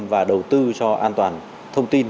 và đầu tư cho an toàn thông tin